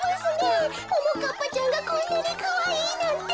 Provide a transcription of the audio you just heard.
ももかっぱちゃんがこんなにかわいいなんて。